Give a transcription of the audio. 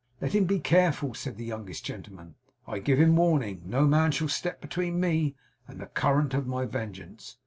'Let him be careful,' said the youngest gentleman. 'I give him warning. No man shall step between me and the current of my vengeance.